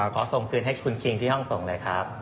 ขอส่งคืนให้คุณคิงที่ห้องส่งเลยครับ